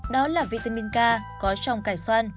đó là vitamin k có trong cải xoăn